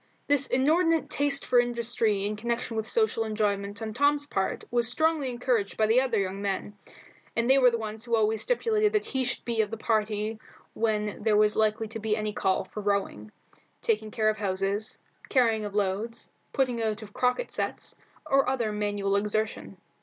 This inordinate taste for industry in connection with social enjoyment on Tom's part was strongly encouraged by the other young men, and they were the ones who always stipulated that he should be of the party when there was likely to be any call for rowing, taking care of horses, carrying of loads, putting out of croquet sets, or other manual exertion.